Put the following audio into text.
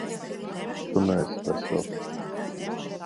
Tu neesi vesels.